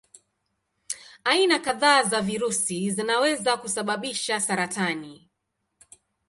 Aina kadhaa za virusi zinaweza kusababisha saratani.